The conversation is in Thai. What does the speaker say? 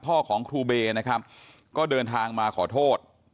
ของครูเบย์นะครับก็เดินทางมาขอโทษ